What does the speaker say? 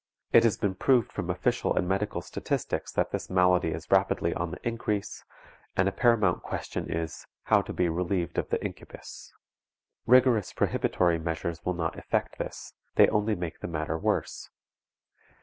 It has been proved from official and medical statistics that this malady is rapidly on the increase, and a paramount question is, how to be relieved of the incubus. Rigorous prohibitory measures will not effect this; they only make the matter worse.